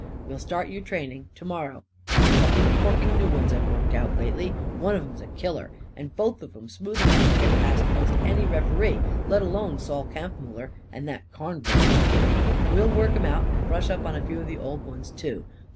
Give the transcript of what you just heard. We'll start you training, to morrow. I've a couple of corking new ones I've worked out lately. One of 'em's a killer. And both of 'em smooth enough to get past most any ref'ree, let alone Sol Kampfmuller and that carn'val crowd. We'll work 'em out and brush up on a few of the old ones too.